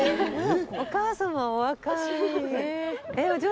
お母様お若い。